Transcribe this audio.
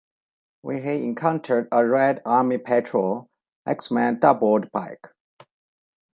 When he encountered a Red Army patrol, Axmann doubled back.